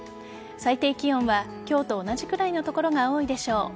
最低気温は今日と同じくらいの所が多いでしょう。